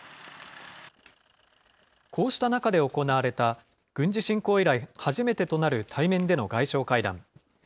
こうした中で行われた、軍事侵攻以来、初めてとなる対面での外相会談。